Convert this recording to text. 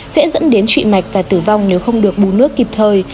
dễ dẫn đến trụi mạch và tử vong nếu không được bù nước kịp thời